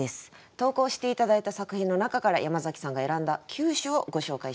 投稿して頂いた作品の中から山崎さんが選んだ９首をご紹介していきます。